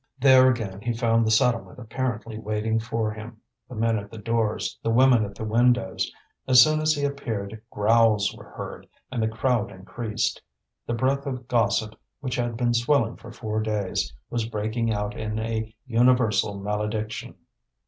There again he found the settlement apparently waiting for him, the men at the doors, the women at the windows. As soon as he appeared growls were heard, and the crowd increased. The breath of gossip, which had been swelling for four days, was breaking out in a universal malediction.